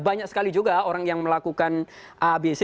banyak sekali juga orang yang melakukan abc